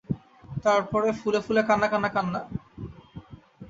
তার পরে ফুলে ফুলে কান্না– কান্না– কান্না।